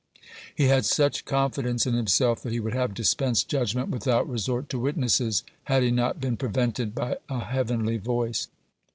He had such confidence in himself that he would have dispensed judgment without resort to witnesses, had he not been prevented by a heavenly voice.